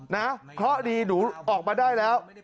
นะเพราะดีหนูออกมาได้แล้ว